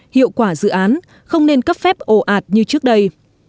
hiệu quả dự án không nên cấp phép ồ ạt như trước đây